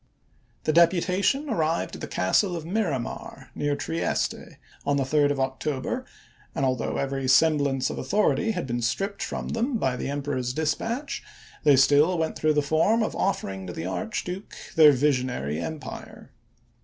The deputation arrived at the castle of Miramar, near Trieste, on the 3d of October, and, although i863. every semblance of authority had been stripped from them by the Emperor's dispatch, they still went through the form of offering to the Archduke their visionary empire.